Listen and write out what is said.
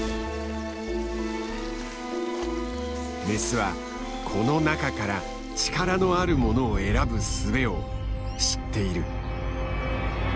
メスはこの中から力のあるものを選ぶ術を知っている。